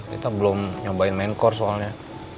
kita belum nyobain main course soalnya